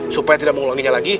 supaya tidak mengulanginya lagi